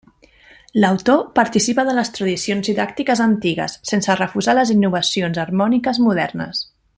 L'autor participa de les tradicions didàctiques antigues, sense refusar les innovacions harmòniques modernes.